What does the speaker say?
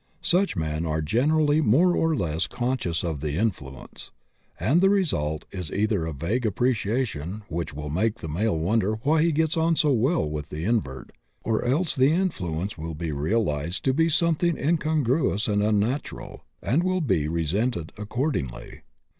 Such men are generally more or less conscious of the influence, and the result is either a vague appreciation, which will make the male wonder why he gets on so well with the invert, or else the influence will be realized to be something incongruous and unnatural, and will be resented accordingly.